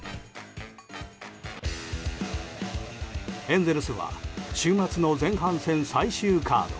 エンゼルスは週末の前半戦最終カード。